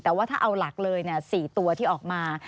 แต่ว่าถ้าเอาหลักเลย๔ตัวที่ออกมา